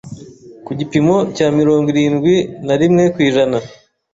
ku gipimo cya mirongo irindwi na rimwe kw’ijana